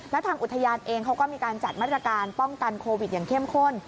และทางอุทยานเองเขาก็มีการจัดมาตรการป้องกันโควิดอย่างเข้มข้น